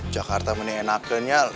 jakarta mending enaken ya